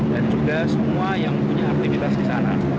dan juga semua yang punya aktivitas di sana